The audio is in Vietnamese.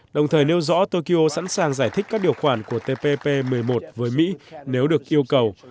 đồng thời nêu rõ tokyo sẵn sàng giải thích các điều khoản của tpp một mươi một với mỹ nếu được yêu cầu